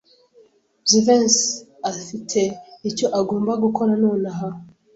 Jivency afite icyo agomba gukora nonaha.